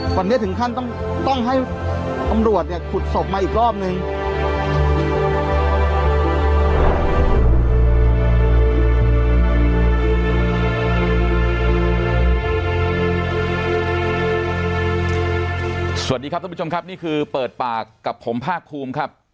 ท่านผู้ชมครับนี่คือเปิดปากกับผมภาคภูมิครับ